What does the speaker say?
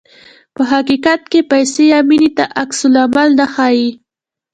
په حقیقت کې پیسو یا مینې ته عکس العمل نه ښيي.